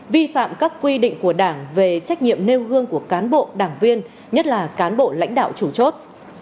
vi phạm các quy định của đảng về trách nhiệm nêu gương của cán bộ đảng viên nhất là cán bộ lãnh đạo chủ chốt